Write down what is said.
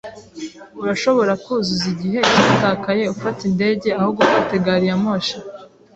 Urashobora kuzuza igihe cyatakaye ufata indege aho gufata gari ya moshi.